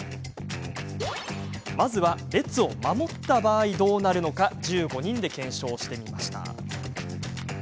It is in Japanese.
まずは列を守った場合どうなるのか１５人で検証してみました。